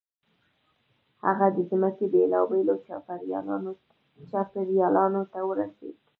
هغه د ځمکې بېلابېلو چاپېریالونو ته ورسېد.